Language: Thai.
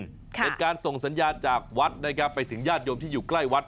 เป็นการส่งสัญญาณจากวัดนะครับไปถึงญาติโยมที่อยู่ใกล้วัด